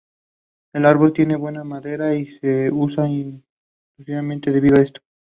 He is buried at Frederiksberg Old Cemetery.